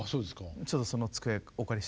ちょっとその机お借りしていいですか？